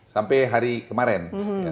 sampai hari kemarin